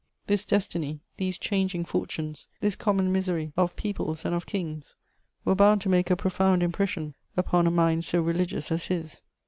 This destiny, these changing fortunes, this common misery of peoples and of kings were bound to make a profound impression upon a mind so religious as his.